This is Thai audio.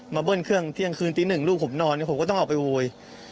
เบิ้ลเครื่องเที่ยงคืนตีหนึ่งลูกผมนอนผมก็ต้องออกไปโวย